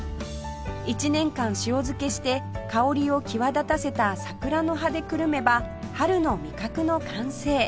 １年間塩漬けして香りを際立たせた桜の葉でくるめば春の味覚の完成